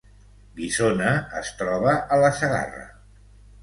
Guissona es troba a la Segarra